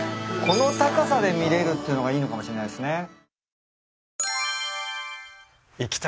この高さで見れるっていうのがいいのかもしんないっすね。